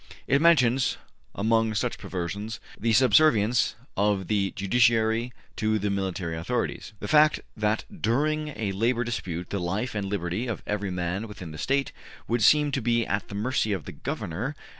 It mentions, among such perversions, the subservience of the judiciary to the mili tary authorities, the fact that during a labor dispute the life and liberty of every man within the State would seem to be at the mercy of the Governor (p.